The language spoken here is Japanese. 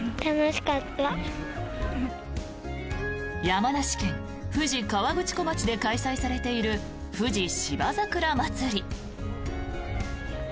山梨県富士河口湖町で開催されている富士芝桜まつり。